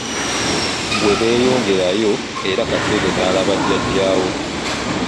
Bwe beeyongerayo era Katende n'alaba jjajja we.